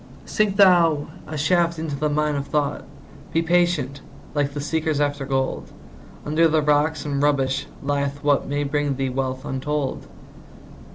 Sink thou a shaft into the mine of thought; Be patient, like the seekers after gold; Under the rocks and rubbish lieth what May bring thee wealth untold.